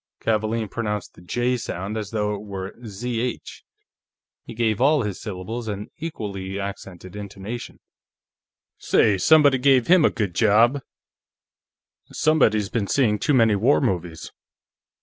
Kavaalen pronounced the J sound as though it were Zh; he gave all his syllables an equally accented intonation. "Say, somebody gave him a good job!" "Somebody's been seeing too many war movies."